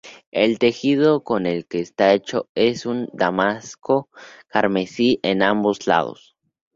El tejido con el que está hecho es un damasco carmesí en ambos lados.